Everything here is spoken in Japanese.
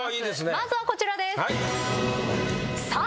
まずはこちらです。